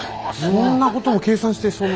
そんなことも計算してその。